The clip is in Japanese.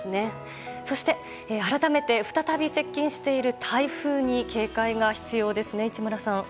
そして、改めて再び接近している台風に警戒が必要ですね、市村さん。